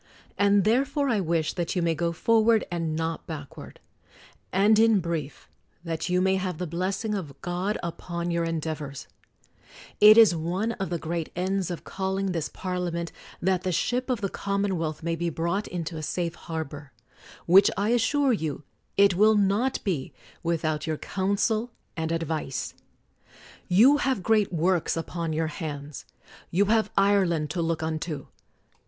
And therefore I wish that you may go forward and not backward ; and in brief that you may have the blessing of God upon your endeavors ! It is one of the great ends of calling this Parliament that the ship of the commonwealth may be brought into a safe har bor; which, I assure you, it will not be, without your counsel and advice. You have great works upon your hands. You have Ireland to look unto.